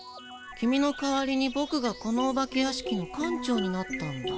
キミの代わりにボクがこのお化け屋敷の館長になったんだ。